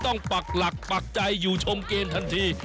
ปักหลักปักใจอยู่ชมเกมทันที